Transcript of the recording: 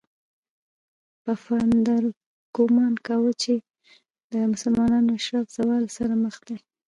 پفاندر ګومان کاوه چې د مسلمانانو اشراف زوال سره مخ دي.